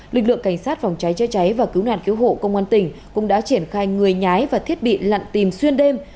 lực lượng cảnh sát phòng cháy chế cháy và cứu nạn cứu hộ công an tỉnh cũng đã triển khai người nhái và thiết bị lặn tìm xuyên đêm